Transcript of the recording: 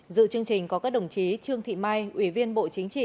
dự chương trình có các đồng chí trương thị mai ủy viên bộ chính trị